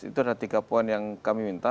itu ada tiga poin yang kami minta